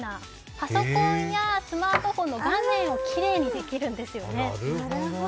パソコンやスマートフォンの画面をきれいにできるんですね。